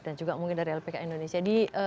dan juga mungkin dari lpk indonesia